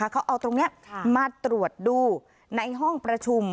เขาเอาตรงนี้มาตรวจดูในห้องประชุม